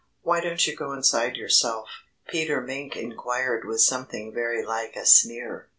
"Why don't you go inside yourself?" Peter Mink inquired with something very like a sneer.